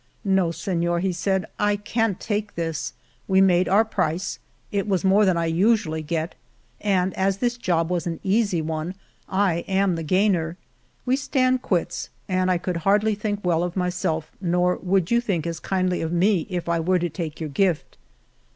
"No, Senor," he said, I can't take this. We made our price. It was more than I usually get, and as this job was an easy one, I am the gainer. We stand quits, and I could not think well of myself nor would you think as kindly of me if I were to take your gift.'